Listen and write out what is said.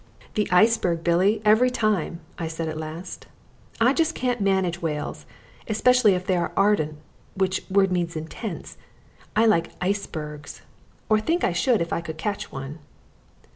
"The iceberg, Billy, every time," I said at last. I just can't manage whales, especially if they are ardent, which word means intense. I like icebergs, or I think I should if I could catch one."